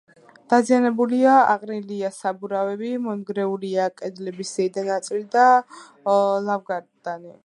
დაზიანებულია: აყრილია საბურავი, მონგრეულია კედლების ზედა ნაწილი და ლავგარდანი.